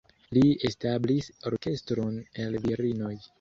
Li establis orkestron el virinoj.